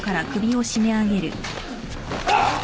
あっ。